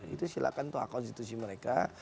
itu silahkan untuk konstitusi mereka